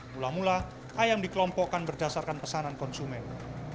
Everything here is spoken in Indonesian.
mula mula ayam dikelompokkan berdasarkan pesanan konsumen